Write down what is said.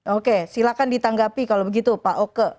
oke silakan ditanggapi kalau begitu pak oke